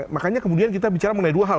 makanya kemudian kita bicara mengenai dua hal